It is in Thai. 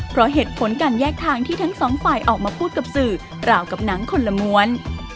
เพราะเหตุผลการแยกทางที่ทั้งสองฝ่ายออกมาพูดกับสื่อราวกับหนังคนละม้วน